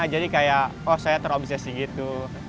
jadi kayak oh saya terobsesi gitu